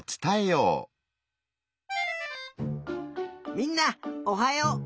みんなおはよう！